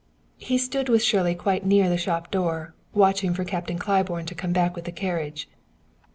He stood with Shirley quite near the shop door, watching for Captain Claiborne to come back with the carriage.